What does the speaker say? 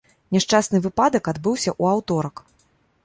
Няшчасны выпадак адбыўся ў аўторак.